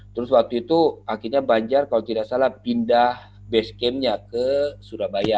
terus waktu itu akhirnya banjar kalau tidak salah pindah base camp nya ke surabaya